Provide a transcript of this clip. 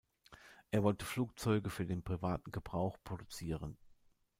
Er wollte Flugzeuge für den privaten Gebrauch produzieren.